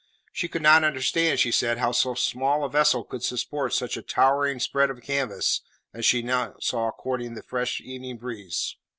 She could not understand, she said, how so small a vessel could support such a towering spread of canvas as she now saw courting the fresh evening breeze.